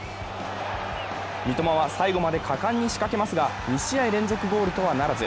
三笘は最後まで果敢に仕掛けますが、２試合連続ゴールとはならず。